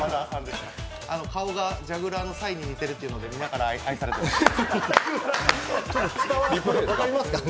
顔がジャグラーのサイに似てるというので、皆から愛されていました。